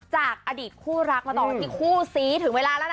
จากอดีตคู่รักมาต่อกันที่คู่ซีถึงเวลาแล้วนะ